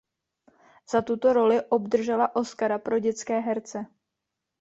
Za tuto roli obdržela Oscara pro dětské herce.